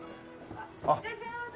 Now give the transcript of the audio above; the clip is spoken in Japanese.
いらっしゃいませ。